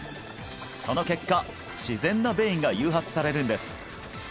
その結果自然な便意が誘発されるんです